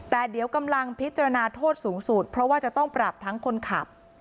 แต่เดี๋ยวกำลังพิจารณาโทษสูงสุดเพราะว่าจะต้องปรับทั้งคนขับ